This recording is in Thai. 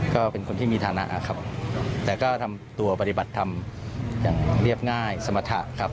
ก็เป็นคนที่มีฐานะครับแต่ก็ทำตัวปฏิบัติธรรมอย่างเรียบง่ายสมรรถะครับ